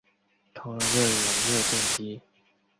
通用热源热电机。